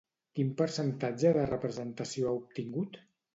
Quin percentatge de representació han obtingut?